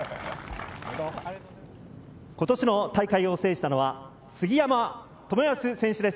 今年の大会を制したのは杉山知靖選手です。